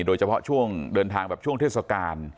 โดยเฉพาะช่วงเดินทางแบบช่วงเทศกาล